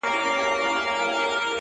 دغه جلال او دا جمال د زلفو مه راوله.